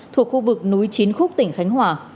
thuộc khu vực núi chín khúc tỉnh khánh hòa